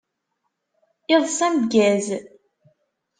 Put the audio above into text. Iḍeṣ ameggaz!